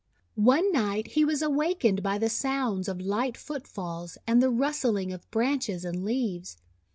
One night he was awakened by the sounds of light footfalls and the rustling of branches and leaves.